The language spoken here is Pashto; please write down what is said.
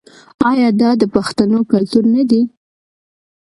آیا دا د پښتنو کلتور نه دی؟